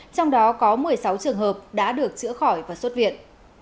trong đó có một mươi sáu trường hợp đã được chữa khỏi và xuất viện